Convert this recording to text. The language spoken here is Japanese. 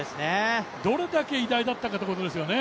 どれだけ偉大だったかということですよね。